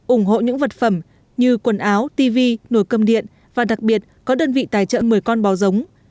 ủng hộ những vật phẩm như quần áo tv nồi cơm điện và đặc biệt có đơn vị tài trợ một mươi con bò giống